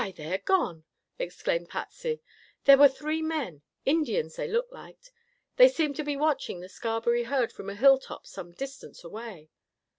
"Why, they're gone!" exclaimed Patsy. "There were three men. Indians, they looked like. They seemed to be watching the Scarberry herd from a hilltop some distance away."